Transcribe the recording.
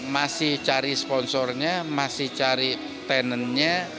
masih cari sponsornya masih cari tenennya